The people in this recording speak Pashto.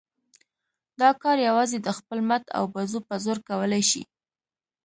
دا کار یوازې د خپل مټ او بازو په زور کولای شي.